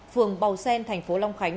phường bào sen tp hcm